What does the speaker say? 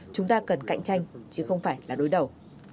chúng ta cần cạnh tranh chứ không phải là đối đầu